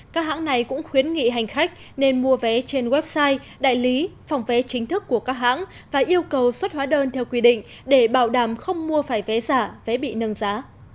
các hãng này cũng khuyến nghị hành khách nên mua vé trên website đại lý phòng vé chính thức của các hãng và yêu cầu xuất hóa đơn theo quy định để bảo đảm không mua phải vé giả vé bị nâng giá